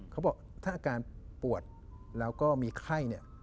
เขาบอกถ้าอาการปวดแล้วก็มีไข้เนี่ย